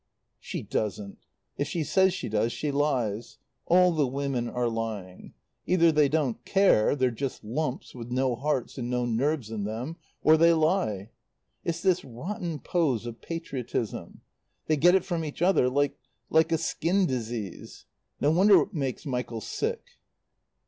"She doesn't. If she says she does she lies. All the women are lying. Either they don't care they're just lumps, with no hearts and no nerves in them or they lie. "It's this rotten pose of patriotism. They get it from each other, like like a skin disease. No wonder it makes Michael sick."